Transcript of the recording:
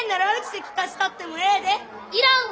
いらんわ！